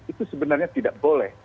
itu sebenarnya tidak boleh